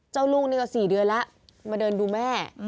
ลูกนี่ก็๔เดือนแล้วมาเดินดูแม่